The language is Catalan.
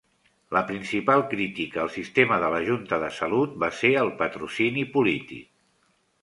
La principal crítica al sistema de la junta de salut va ser el patrocini polític.